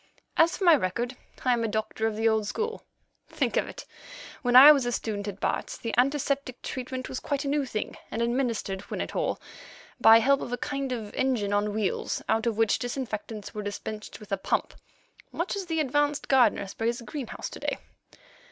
As for my record, I am a doctor of the old school. Think of it! When I was a student at Bart.'s the antiseptic treatment was quite a new thing, and administered when at all, by help of a kind of engine on wheels, out of which disinfectants were dispensed with a pump, much as the advanced gardener sprays a greenhouse to day.